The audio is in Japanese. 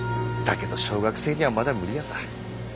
だけど小学生にはまだ無理ヤサ。